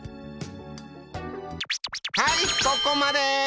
はいここまで！